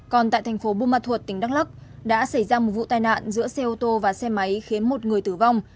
còn tại tp bumathuot tỉnh đắk lắk đã xảy ra một vụ tai nạn giữa xe ô tô và xe máy khiến một người tử vong